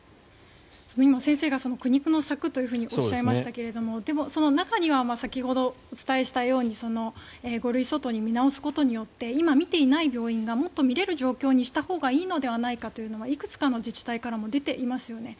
今、先生が苦肉の策とおっしゃいましたけど中には先ほどお伝えしたように５類相当に見直すことによって今、診れない病院がもっと診れる状況にしたほうがいいのではないかというのはいくつかの自治体からも出ていますよね。